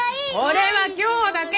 これは今日だけ！